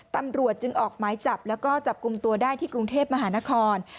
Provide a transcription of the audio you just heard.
ตำรวจจึงออกหมายจับแล้วก็จับกลุ่มตัวได้ที่กรุงเทพมหานคร